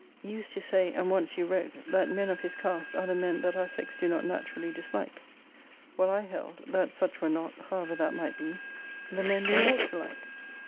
You used to say, and once you wrote,* that men of his cast are the men that our sex do not naturally dislike: While I held, that such were not (however that might be) the men we ought to like.